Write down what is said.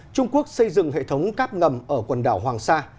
trung quốc xây dựng hệ thống cáp ngầm ở quần đảo hoàng sa